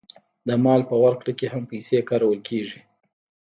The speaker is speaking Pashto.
د مال په ورکړه کې هم پیسې کارول کېږي